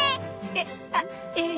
えっあっええ。